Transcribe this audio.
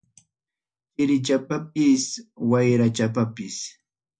Chirichapipas, wayrachapipas.